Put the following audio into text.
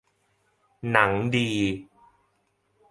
หนังดี